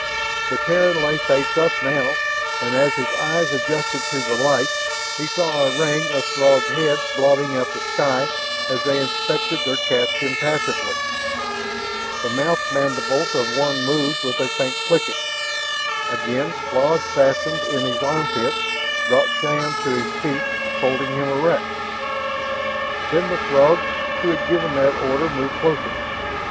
The Terran lay face up now, and as his eyes adjusted to the light, he saw a ring of Throg heads blotting out the sky as they inspected their catch impassively. The mouth mandibles of one moved with a faint clicking. Again claws fastened in his armpits, brought Shann to his feet, holding him erect. Then the Throg who had given that order moved closer.